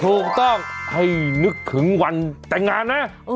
ถูกต้องให้นึกถึงวันแต่งงานนะ